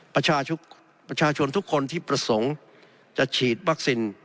ประชาชนทุกคนที่ประสงค์จะฉีดวัคซีน